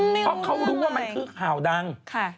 เพราะเขารู้ว่ามันคือข่าวดัง